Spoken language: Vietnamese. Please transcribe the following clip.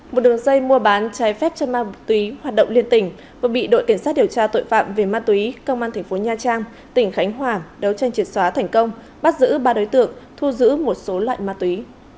một đường dây mua bán trái phép chân ma túy hoạt động liên tỉnh vừa bị đội kiểm sát điều tra tội phạm về ma túy công an thành phố nha trang tỉnh khánh hòa đấu tranh triệt xóa thành công bắt giữ ba đối tượng thu giữ một số loại ma túy